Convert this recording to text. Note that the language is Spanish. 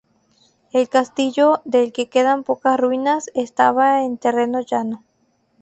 El castillo, del que quedan pocas ruinas, estaba en terreno llano.